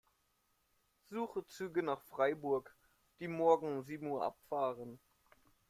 Suche Züge nach Freiburg, die morgen um sieben Uhr abfahren.